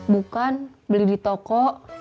bukan beli di toko